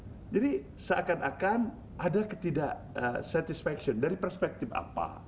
jadi seakan akan ada ketidaksatisfaction dari perspektif apa